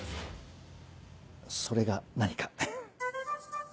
それが何か。